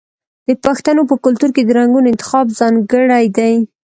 د پښتنو په کلتور کې د رنګونو انتخاب ځانګړی دی.